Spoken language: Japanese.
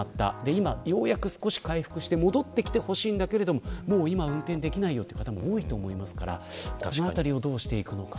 今ようやく少し回復して戻ってきてほしいんだけどもう今は運転できないという方も多いと思いますからそのあたりをどうしていくのか。